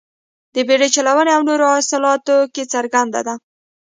د بېړۍ چلونې او نورو اصلاحاتو کې څرګنده ده.